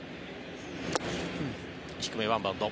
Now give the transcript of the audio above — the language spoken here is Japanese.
低め、ワンバウンド。